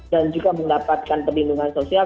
dan juga mendapatkan perlindungan sosial